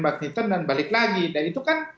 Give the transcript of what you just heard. badminton dan balik lagi dan itu kan